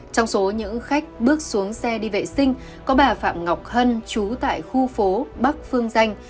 trong số những khách bước xuống xe đi vệ sinh có bà phạm ngọc hân chú tại khu phố bắc phương danh